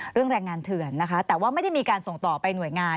แรงงานเถื่อนนะคะแต่ว่าไม่ได้มีการส่งต่อไปหน่วยงาน